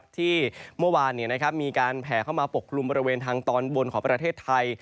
ที่เมื่อวานมีการแผ่เข้ามาปกกลุ่มบริเวณทางตอนบนของประเทศไทย